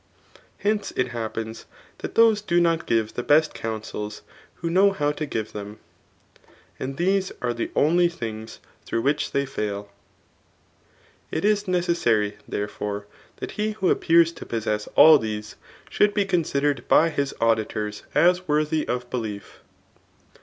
Hende, k lyq^ pens that diose do not give the b^ counsel who 'IncMr how to give them. And tifese aire the only dikgfibAni^ . OH«P. .1. RRATOAIC. 99 which diey fail. It is necessary, therefore, that he who appears to possess all these, should be conddered by his auditors as worthy of belief.